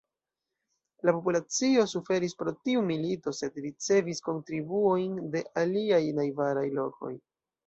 La populacio suferis pro tiu milito, sed ricevis kontribuojn de aliaj najbaraj lokoj.